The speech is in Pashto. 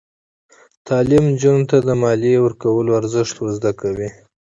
تعلیم نجونو ته د مالیې ورکولو ارزښت ور زده کوي.